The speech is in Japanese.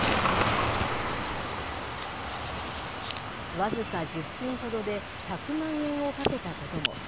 僅か１０分ほどで、１００万円を賭けたことも。